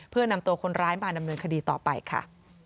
เพื่อนำตัวคนร้ายมาดำเนินคดีต่อไปค่ะ